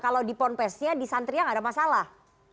kalau di pornfest nya di santri nya tidak ada masalah